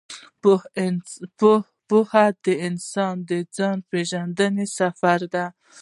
پوهه د انسان د ځان پېژندنې سفر دی.